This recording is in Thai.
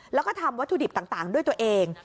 แล้วก็ทำวัตถุดิบต่างด้วยตัวเอง